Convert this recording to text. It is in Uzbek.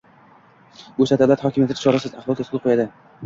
bu esa davlat hokimiyatini chorasiz ahvolga solib qo‘yadi.